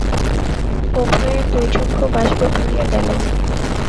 উভয়ের দুই চক্ষু বাষ্পে পুরিয়া গেল।